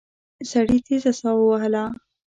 سړي تېزه ساه وهله.